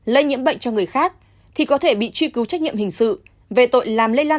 lây nhiễm bệnh cho người khác thì có thể bị truy cứu trách nhiệm hình sự về tội làm lây lan